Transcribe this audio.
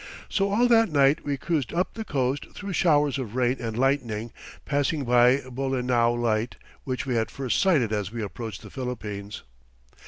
So all that night we cruised up the coast through showers of rain and lightning, passing by Bolinao Light, which we had first sighted as we approached the Philippines.